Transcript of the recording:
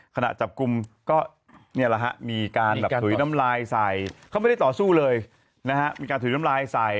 ขณะจับกลุ้มก็มีการถูยน้ำลายใส่เขาไม่ได้ต่อสู้เลยใส่